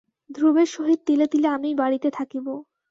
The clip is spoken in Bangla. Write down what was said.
ধ্রুবের সহিত তিলে তিলে আমিই বাড়িতে থাকিব।